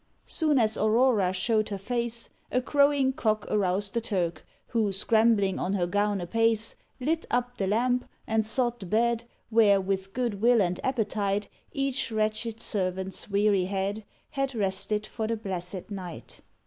Soon as Aurora showed her face, A crowing Cock aroused the Turk, Who, scrambling on her gown apace, Lit up the lamp, and sought the bed Where, with good will and appetite, Each wretched servant's weary head Had rested for the blessed night.